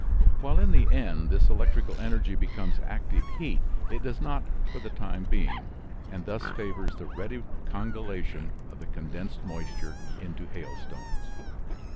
While in the end this electrical energy becomes active heat, it does not for the time being, and thus favors the ready congelation of the condensed moisture into hailstones.